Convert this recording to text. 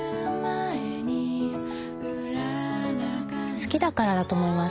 好きだからだと思います。